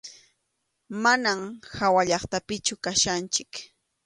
Manam hawallaqtapichu kachkanchik.